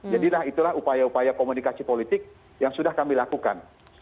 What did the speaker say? jadilah itulah upaya upaya komunikasi politik yang sudah kami lakukan